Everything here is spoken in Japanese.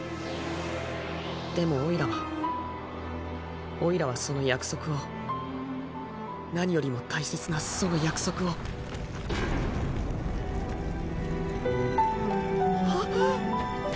でもおいらはおいらはその約束を何よりも大切なその約束をあっ。